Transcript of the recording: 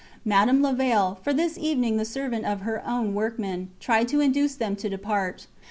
Madame Levaille, for this evening the servant of her own workmen, tried to induce them to depart.